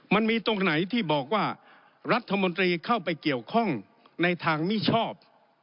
มันมีตรงไหนที่บอกว่ารัฐมนตรีเข้าไปเกี่ยวข้องในทางมิชอบ